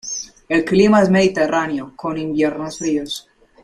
El clima es mediterráneo con inviernos fríos.